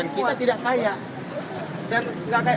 dan kita tidak kaya